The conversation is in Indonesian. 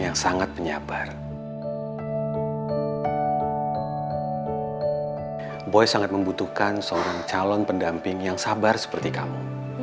yang sangat penyabarmu hai boy sangat butuhkan seorang calon pendamping yang sabar seperti kamu